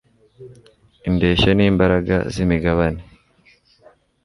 indeshyo n’imbaraga zi migabane